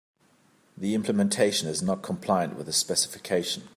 The implementation is not compliant with the specification.